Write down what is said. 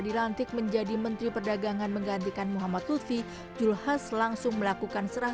dilantik menjadi menteri perdagangan menggantikan muhammad lutfi julhas langsung melakukan serah